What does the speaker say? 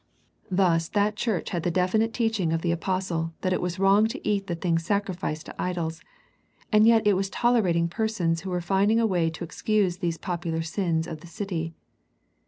Thus that The Pergamum Letter loi church had the definite teaching of the apostle that it was wrong to eat the things sacrificed to idols, and yet it was tolerating persons who were finding a way to excuse these popular sins of the city.